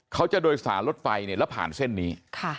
เขาจะโดยสารรถไฟแล้วผ่านเส้นนี้